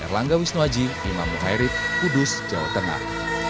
erlangga wisnuaji imam muhairid kudus jawa tengah